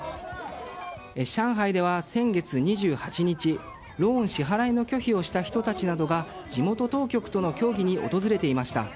上海では先月２８日ローン支払いの拒否をした人たちなどが地元当局との協議に訪れていました。